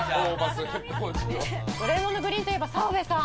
ドレイモンド・グリーンといえば澤部さん！